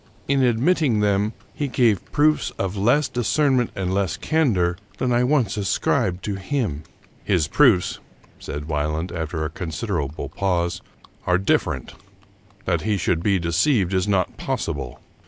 In admitting them, he gave proofs of less discernment and less candor than I once ascribed to him." " His proofs," said Wieland, after a considerable pause, " are different. That he should be deceived is not possible.